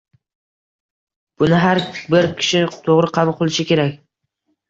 buni har bir kishi to’g’ri qabul qilishi kerak